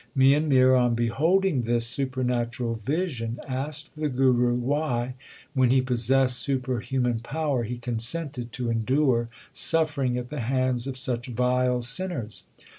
Mian Mir on beholding this supernatural vision asked the Guru why, when he possessed superhuman power, he consented to endure suffering at the hands of such vile sinners.